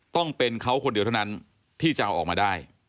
ต้องเป็นเขาคนเดียวเท่านั้นที่จะเอาออกมาได้